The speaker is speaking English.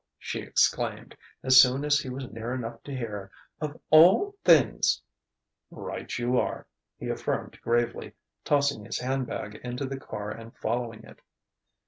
she exclaimed, as soon as he was near enough to hear "of all things !" "Right you are!" he affirmed gravely, tossing his handbag into the car and following it.